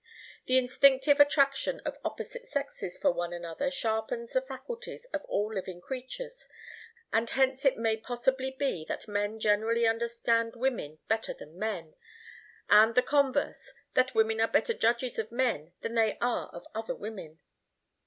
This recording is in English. The instinctive attraction of opposite sexes for one another sharpens the faculties of all living creatures, and hence it may possibly be, that men generally understand women better than men, and the converse, that women are better judges of men than they are of other women.